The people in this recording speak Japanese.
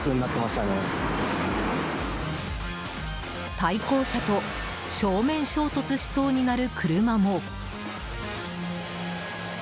対向車と正面衝突しそうになる車も。